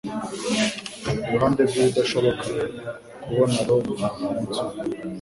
Iruhande rwibidashoboka kubona Roma kumunsi umwe.